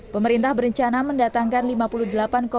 pemerintah berencana untuk mencari vaksin sinovac yang akan digunakan